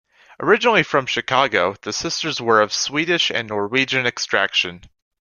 Originally from Chicago, the sisters were of Swedish and Norwegian extraction.